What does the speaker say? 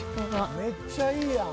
めっちゃいいやん！